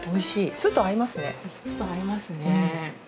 酢と合いますね。